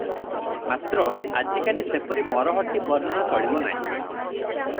ମାତ୍ର, ଆଜିକାଲି ସେପରି ମରହଟ୍ଟୀ ବର୍ଣ୍ଣନା ଚଳିବ ନାହିଁ ।